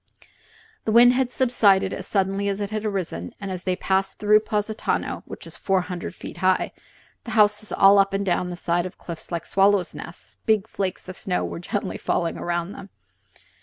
The wind had subsided as suddenly as it had arisen, and as they passed through Positano which is four hundred feet high, the houses all up and down the side of a cliff like swallows' nests big flakes of snow were gently falling around them.